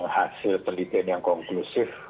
hasil penelitian yang konklusif